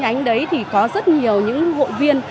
nhánh đấy thì có rất nhiều những hội viên